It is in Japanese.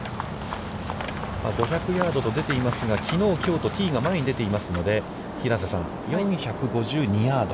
５００ヤードと出ていますがきのう、きょうと、ティーが前に出ていますので、平瀬さん、４５２ヤード。